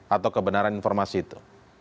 atau kebenaran informasi itu